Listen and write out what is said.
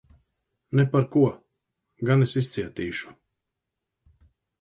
Ne par ko! Gan es izcietīšu.